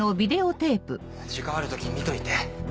時間ある時見といて。